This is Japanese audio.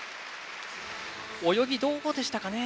泳ぎどうでしたかね。